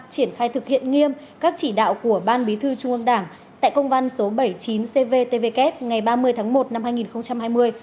triển khai thực hiện nghiêm các chỉ đạo của ban bí thư trung ương đảng tại công văn số bảy mươi chín cvtvk ngày ba mươi tháng một năm hai nghìn hai mươi